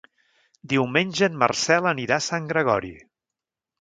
Diumenge en Marcel anirà a Sant Gregori.